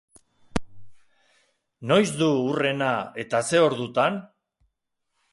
Noiz du hurrena eta ze ordutan?